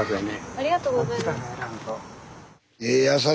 ありがとうございます。